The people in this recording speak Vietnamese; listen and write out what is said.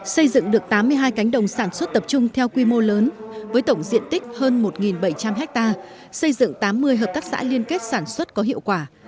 xây dựng được tám mươi hai cánh đồng sản xuất tập trung theo quy mô lớn với tổng diện tích hơn một bảy trăm linh ha xây dựng tám mươi hợp tác xã liên kết sản xuất có hiệu quả